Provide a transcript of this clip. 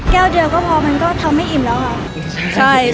แก้วเดือก็พอมันก็ทำไม่อิ่มแล้วอะ